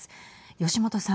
吉元さん。